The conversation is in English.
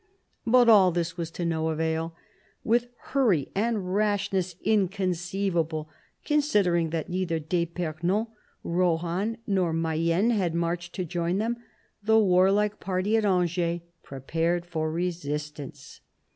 But all this was of no avail. With hurry and rashness inconceivable, considering that neither d'fipernon, Rohan, nor Mayenne had marched to join them, the warlike party at Angers prepared for resistance.